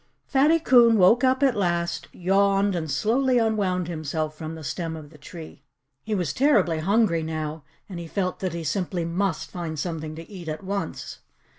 Fatty Coon woke up at last, yawned, and slowly unwound himself from the stem of the tree. He was terribly hungry now. And he felt that he simply MUST find something to eat at once.